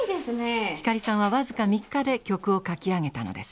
光さんは僅か３日で曲を書き上げたのです。